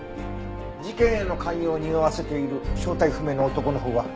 事件への関与をにおわせている正体不明の男のほうは？